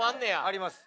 あります。